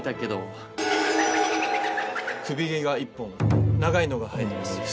首毛が１本長いのが生えてます。